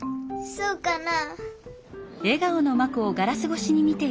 そうかな？